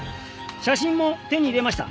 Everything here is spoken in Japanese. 写真も手に入れました。